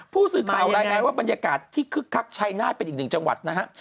พูดสื่อข่าวว่าบรรยากาศที่คือครับชัยนาธิ์เป็นอีกหนึ่งจังหวัดนะฮะ